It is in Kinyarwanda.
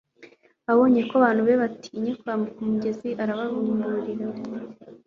abonye ko abantu be batinye kwambuka umugezi, arababimburira